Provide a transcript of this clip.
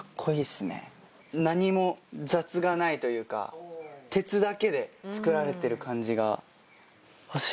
何も雑がないというか鉄だけで造られてる感じが。